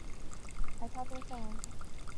这个故事隶属于他的机器人系列的作品。